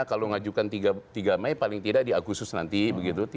kalau ngajukan tiga mei paling tidak di agustus nanti begitu